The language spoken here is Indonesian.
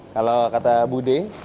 kalau kata bu